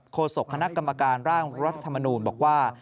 โศกคณะกรรมการร่างรัฐธรรมนูญบอกว่า